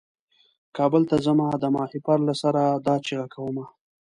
کابل ته ځمه د ماهیپر له سره دا چیغه کومه.